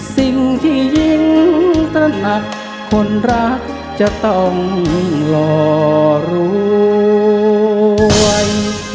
สิ่งที่ยิ่งตระหนักคนรักจะต้องหล่อรวย